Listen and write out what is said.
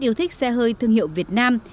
rất yêu thích xe hơi thương hiệu việt nam